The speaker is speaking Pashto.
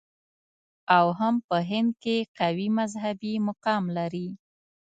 او هم په هند کې قوي مذهبي مقام لري.